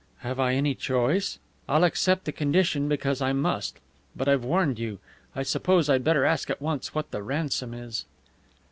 "Have I any choice? I'll accept the condition because I must. But I've warned you. I suppose I'd better ask at once what the ransom is."